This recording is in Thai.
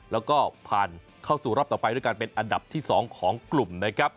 แล้วก็ผ่านเข้าสู่รอบต่อไปด้วยการเป็นอันดับที่๒ของกลุ่มนะครับ